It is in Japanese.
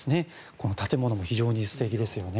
この建物も非常に素敵ですよね。